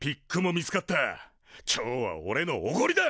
今日はおれのおごりだ！